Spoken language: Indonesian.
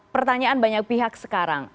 pertanyaan banyak pihak sekarang